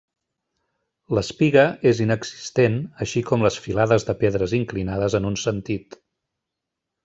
L'espiga és inexistent així com les filades de pedres inclinades en un sentit.